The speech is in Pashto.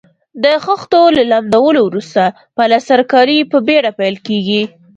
د خښتو له لمدولو وروسته پلسترکاري په بېړه پیل کیږي.